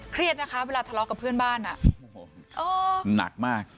เครียดนะคะเวลาทะเลาะกับเพื่อนบ้านหนักมาก